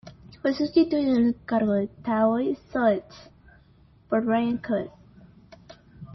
Fue sustituido en el cargo de Taoiseach por Brian Cowen.